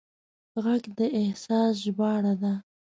غږ د احساس ژباړه ده